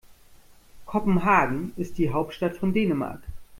Kopenhagen ist die Hauptstadt von Dänemark.